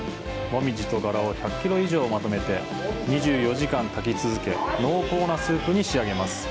モミジとガラを１００キロ以上まとめて２４時間、炊き続け、濃厚なスープに仕上げます。